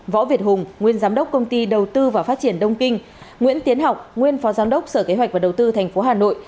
võ việt hùng nguyên giám đốc công ty đầu tư và phát triển đông kinh nguyễn tiến học nguyên phó giám đốc sở kế hoạch và đầu tư tp hà nội